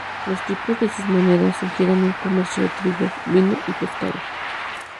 Los tipos de sus monedas sugieren un comercio de trigo, vino y pescado.